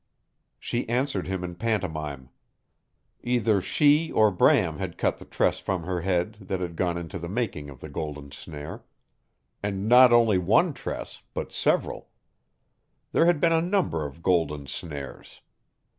She answered him in pantomime. Either she or Bram had cut the tress from her head that had gone into the making of the golden snare. And not only one tress, but several. There had been a number of golden snares.